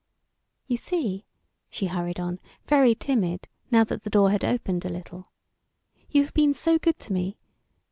"You see," she hurried on, very timid, now that the door had opened a little, "you have been so good to me.